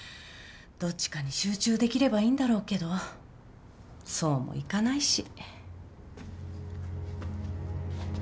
どっちかに集中できればいいんだろうけどそうもいかないし。